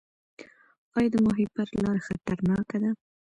آیا د ماهیپر لاره خطرناکه ده؟